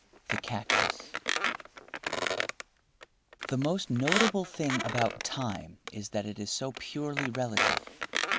THE CACTUS The most notable thing about Time is that it is so purely relative.